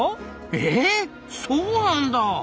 えそうなんだ！